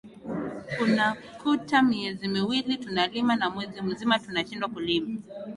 Unakuta miezi miwili tunalima na mwezi mzima tunashindwa kulima